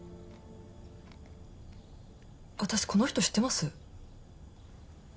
私この人知ってます。